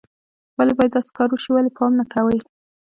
ولې باید داسې کار وشي، ولې پام نه کوئ